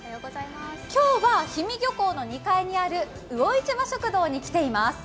今日は氷見漁港の２階にある魚市場食堂に来ています。